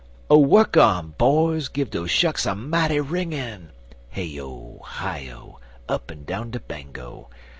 Oh, work on, boys! give doze shucks a mighty wringin' (Hey O! Hi O! Up'n down de Bango!)